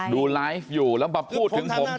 ดูไลฟ์อยู่แล้วมาพูดถึงผม